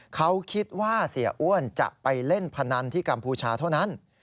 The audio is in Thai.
เขาคิดว่าเสียอ้วนจะไปเล่นพนันที่กัมพูชาเท่านั้น